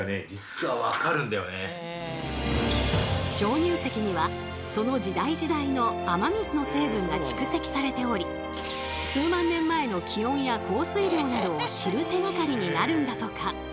鍾乳石にはその時代時代の雨水の成分が蓄積されており数万年前の気温や降水量などを知る手がかりになるんだとか。